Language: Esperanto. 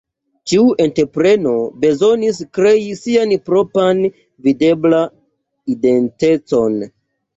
Ĉiu entrepreno bezonis krei sian propran videblan identecon.